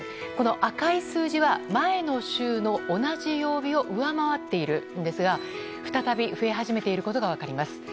赤い数字は前の週の同じ曜日を上回っているんですが再び増え始めていることが分かります。